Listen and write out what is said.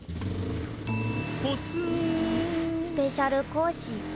ポツンスペシャル講師。